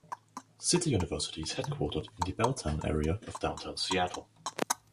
City University is headquartered in the Belltown area of downtown Seattle.